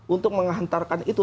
untuk menghantarkan itu